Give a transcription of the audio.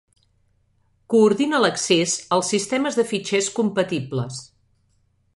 Coordina l'accés als sistemes de fitxers compatibles.